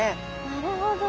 なるほど。